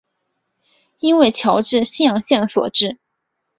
应为侨置新阳县所置。